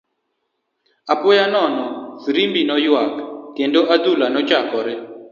Apoya nono , firimbi noywak, kendo adhula nochakore.